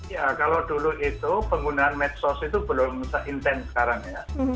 ya kalau dulu itu penggunaan medsos itu belum se intent sekarang ya